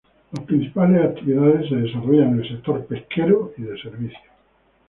Las principales actividades se desarrollan en el sector pesquero, y de servicios.